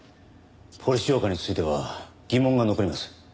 「ポリス浄化ぁ」については疑問が残ります。